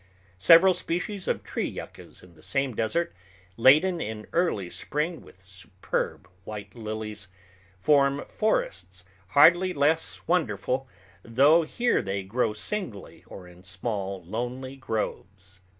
Several species of tree yuccas in the same desert, laden in early spring with superb white lilies, form forests hardly less wonderful, though here they grow singly or in small lonely groves.